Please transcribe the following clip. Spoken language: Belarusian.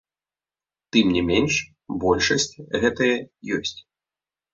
Тым не менш, большасць гэтая ёсць.